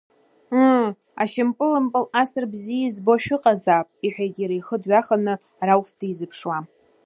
Ыы, ашьапылампыл асра бзиа избо шәыҟазаап, — иҳәеит иара ихы дҩаханы Рауф дизыԥшуа.